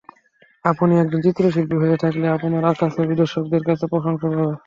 আপনি একজন চিত্রশিল্পী হয়ে থাকলে আপনার আঁকা ছবি দর্শকদের কাছে প্রশংসা পাবে।